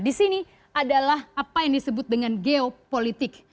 di sini adalah apa yang disebut dengan geopolitik